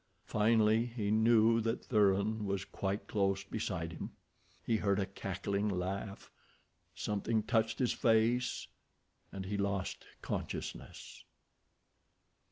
Finally he knew that Thuran was quite close beside him. He heard a cackling laugh, something touched his face, and he lost consciousness.